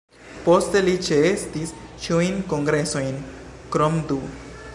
Poste li ĉeestis ĉiujn kongresojn, krom du.